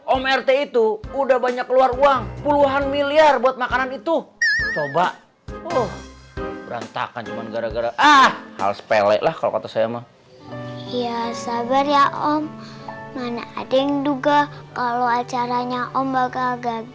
om rt itu udah banyak keluar uang puluhan milyar buat makanan itu coba uh berantakan cuman gara gara ahu sepele lah kau kata saya emang iya sabar ya om mana ada yang duga kalau acaranya om bakal gagal gara gara vampir itu dateng